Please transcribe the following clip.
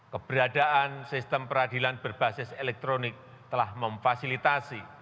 keberadaan sistem peradilan berbasis elektronik telah memfasilitasi